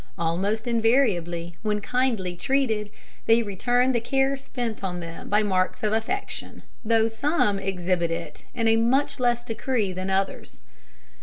Almost invariably, when kindly treated, they return the care spent on them by marks of affection, though some exhibit it in a much less decree than others.